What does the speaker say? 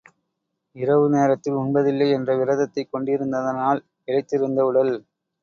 இரவு நேரத்தில் உண்பதில்லை என்ற விரதத்தைக் கொண்டிருந்ததனால், இளைத்திருந்த உடல்!